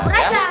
ya itu dia ya